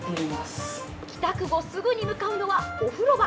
帰宅後、すぐに向かうのはお風呂場。